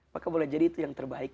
maka boleh jadi itu yang terbaik